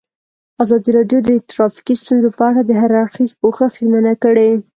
ازادي راډیو د ټرافیکي ستونزې په اړه د هر اړخیز پوښښ ژمنه کړې.